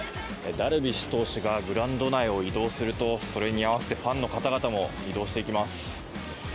ダルビッシュ投手がグラウンド内を移動するとそれに合わせてファンの方々も移動していきます。